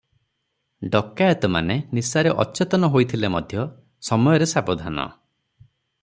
ଡକାଏତମାନେ ନିଶାରେ ଅଚେତନ ହୋଇଥିଲେ ମଧ୍ୟ ସମୟରେ ସାବଧାନ ।